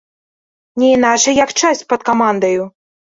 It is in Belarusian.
Не іначай як часць пад камандаю!